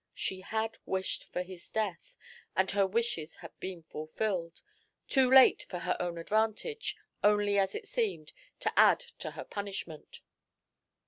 She had wished for his death, and her wishes had been fulfilled, too late for her own advantage, only as it seemed, to add to her punishment.